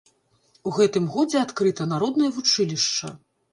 У гэтым годзе адкрыта народнае вучылішча.